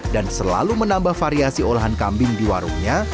dan selalu menambah variasi olahan kambing di warungnya